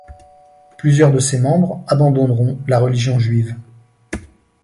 Plusieurs de ces membres abandonneront la religion juive.